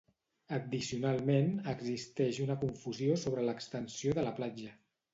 Addicionalment, existeix una confusió sobre l'extensió de la platja.